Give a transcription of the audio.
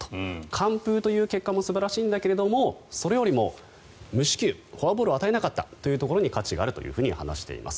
完封という結果も素晴らしいんだけれどもそれよりも無四球フォアボールを与えなかったというところに価値があると話しています。